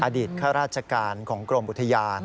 ข้าราชการของกรมอุทยาน